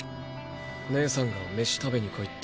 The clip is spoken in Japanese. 姉さんが飯食べに来いって。